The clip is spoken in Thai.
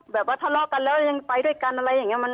แบบว่าทะเลาะกันแล้วยังไปด้วยกันอะไรอย่างนี้